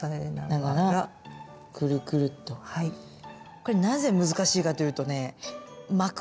これなぜ難しいかというとね巻く